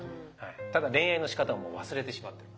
ただ恋愛のしかたも忘れてしまってる。